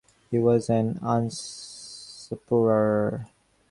He was an usurper.